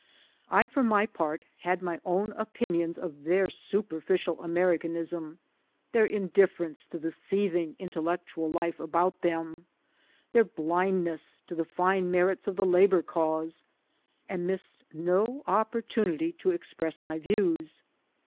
I, for my part, had my own opinions of their superficial Americanism, their indiflference to the seething intellec tual life about them, their blindness to the fine merits of the labor cause, and missed no opportunity to express my views.